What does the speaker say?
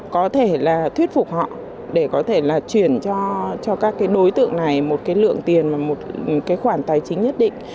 có thể là thuyết phục họ để có thể là chuyển cho các đối tượng này một lượng tiền và một khoản tài chính nhất định